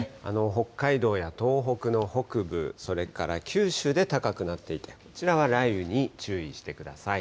北海道や東北の北部、それから九州で高くなっていて、こちらは雷雨に注意してください。